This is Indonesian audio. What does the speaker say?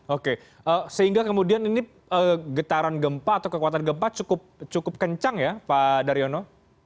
oke sehingga kemudian ini getaran gempa atau kekuatan gempa cukup kencang ya pak daryono